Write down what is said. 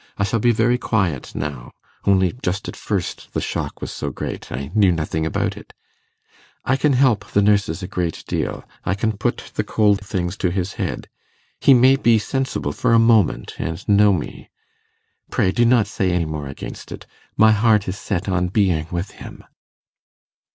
I shall be very quiet now, only just at first the shock was so great; I knew nothing about it. I can help the nurses a great deal; I can put the cold things to his head. He may be sensible for a moment and know me. Pray do not say any more against it: my heart is set on being with him.